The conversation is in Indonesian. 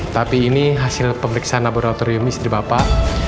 tapi ini hasil pemeriksaan laboratorium istri bapak